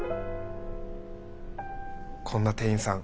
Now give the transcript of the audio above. こんな店員さん